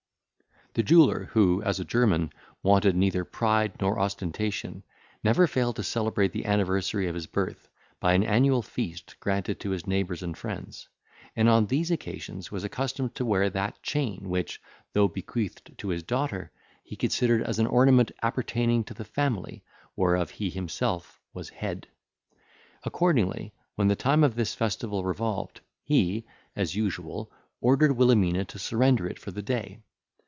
The jeweller, who, as a German, wanted neither pride nor ostentation, never failed to celebrate the anniversary of his birth by an annual feast granted to his neighbours and friends; and on these occasions was accustomed to wear that chain which, though bequeathed to his daughter, he considered as an ornament appertaining to the family, whereof he himself was head. Accordingly, when the time of this festival revolved, he, as usual, ordered Wilhelmina to surrender it for the day.